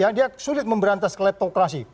ya dia sulit memberantas kleptokrasi